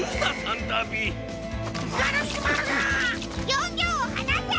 ギョンギョンをはなせ！